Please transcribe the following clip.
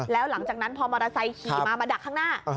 แล้วหลังจากนั้นพอมอเตอร์ไซค์ขี่มามาดักข้างหน้า